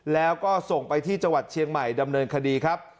แล้วก็ส่งไปที่จังหวัดเชียงใหม่ดำเนินคดีครับ